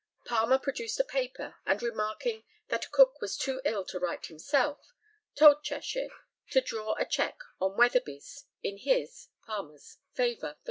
Palmer produced a paper, and remarking "that Cook was too ill to write himself," told Cheshire to draw a cheque on Weatherby's in his (Palmer's) favour for £350.